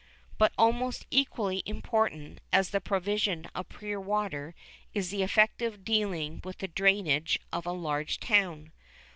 But almost equally important as the provision of pure water is the effective dealing with the drainage of a large town.